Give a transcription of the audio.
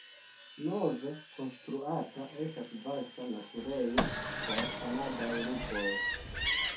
Nove konstruata estas vasta naturejo por kanadaj lupoj.